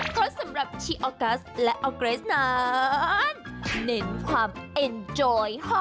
เพราะสำหรับชีออกัสและออร์เกรสนั้นเน้นความเอ็นจอย